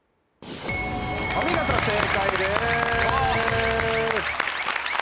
お見事正解です。